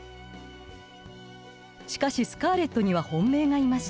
しかしスカーレットには本命がいました。